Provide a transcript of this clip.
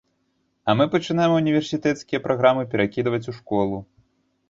А мы пачынаем універсітэцкія праграмы перакідваць ў школу.